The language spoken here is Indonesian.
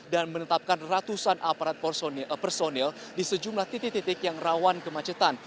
dan menetapkan ratusan aparat personil di sejumlah titik titik yang rawan kemacetan